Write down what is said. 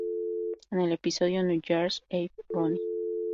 En el episodio "New Year's Eve-a-Rooney".